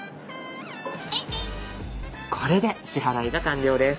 これで支払いが完了です。